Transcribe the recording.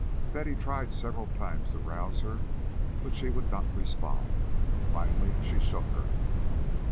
Betty tried several times to rouse her, but she would not respond. Finally she shook her.